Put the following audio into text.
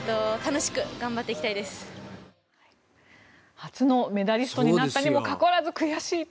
初のメダリストになったにもかかわらず悔しいと。